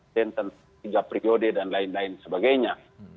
delapan senten tiga periode dan lain lain sebagainya